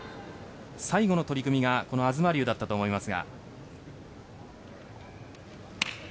最後の取組がこの東龍だったと思いますが。